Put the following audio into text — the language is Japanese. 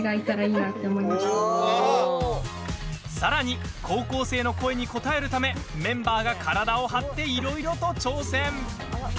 さらに、高校生の声に応えるためメンバーが体を張っていろいろと挑戦。